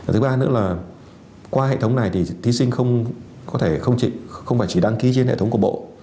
thứ ba nữa là qua hệ thống này thì thí sinh không phải chỉ đăng ký trên hệ thống của bộ